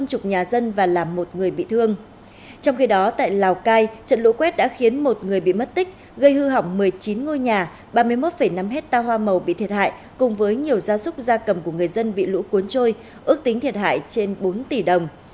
cây hư hỏng một mươi chín ngôi nhà ba mươi một năm hecta hoa màu bị thiệt hại cùng với nhiều gia súc gia cầm của người dân bị lũ cuốn trôi ước tính thiệt hại trên bốn tỷ đồng